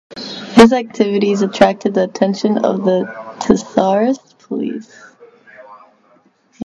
His activities attracted the attention of the Tsarist police.